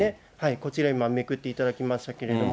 こちら今、めくっていただきましたけれども。